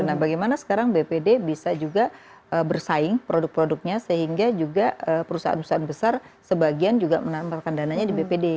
nah bagaimana sekarang bpd bisa juga bersaing produk produknya sehingga juga perusahaan perusahaan besar sebagian juga menamparkan dananya di bpd